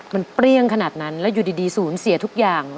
มันเปรี้ยงขนาดนั้นแล้วอยู่ดีศูนย์เสียทุกอย่าง